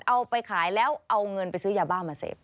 เอาไปขายแล้วเอาเงินไปซื้อยาบ้ามาเสพ